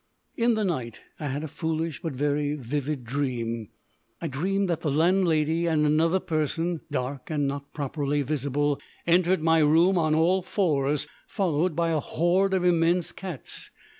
In the night I had a foolish but very vivid dream. I dreamed that the landlady and another person, dark and not properly visible, entered my room on all fours, followed by a horde of immense cats.